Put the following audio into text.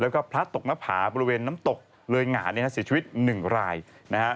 แล้วก็พระตกหน้าผาบริเวณน้ำตกเลยหง่าในศิษย์ชีวิต๑รายนะครับ